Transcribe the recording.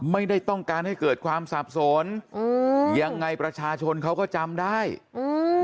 ไม่ได้ต้องการให้เกิดความสับสนอืมยังไงประชาชนเขาก็จำได้อืม